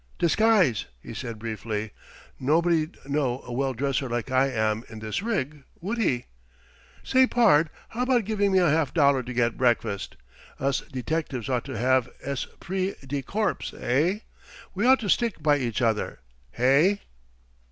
"Disguise," he said briefly. "Nobody'd know a swell dresser like I am in this rig, would he? Say, pard, how about giving me a half dollar to get breakfast? Us detectives ought to have es spirit dee corpse, hey? We ought to stick by each other, hey?"